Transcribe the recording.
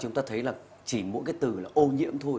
chúng ta thấy là chỉ mỗi cái từ là ô nhiễm thôi